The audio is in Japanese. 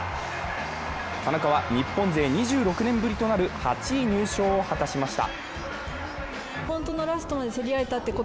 田中は、日本勢２６年ぶりとなる８位入賞を果たしました。